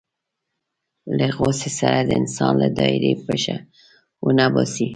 له غوسې سره د انسانيت له دایرې پښه ونه باسي.